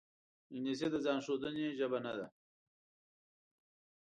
انګلیسي د ځان ښودنې ژبه نه ده